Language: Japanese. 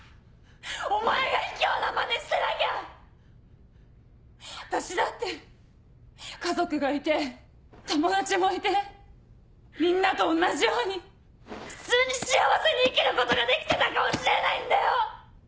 お前が卑怯なまねしてなきゃ私だって家族がいて友達もいてみんなと同じように普通に幸せに生きることができてたかもしれないんだよ！